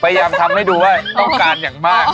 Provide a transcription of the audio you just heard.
พยายามทำให้ดูว่าต้องการอย่างมาก